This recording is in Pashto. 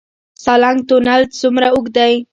سالنګ تونل څومره اوږد دی؟